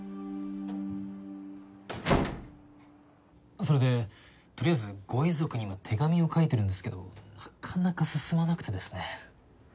それでとりあえずご遺族に今手紙を書いてるんですけどなかなか進まなくてですね。